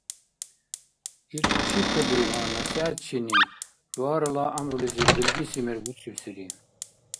Ил учительли ва насихӀятчини Луарала гӀямрулизиб белгиси мер буцибсири.